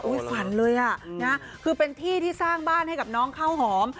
ฝันเลยอ่ะนะคือเป็นที่ที่สร้างบ้านให้กับน้องข้าวหอม